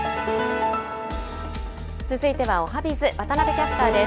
続いてはおはＢｉｚ、渡部キャスターです。